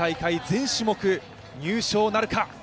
全種目入賞なるか。